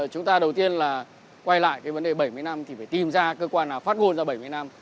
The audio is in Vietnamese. chúng ta đầu tiên là quay lại cái vấn đề bảy mươi năm thì phải tìm ra cơ quan nào phát ngôn ra bảy mươi năm